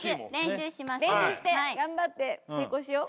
練習して頑張って成功しよう